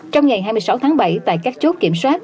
trong ngày hai mươi sáu tháng bảy tại các chốt kiểm soát